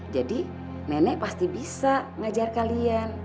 jadi nenek pasti bisa ngajar kalian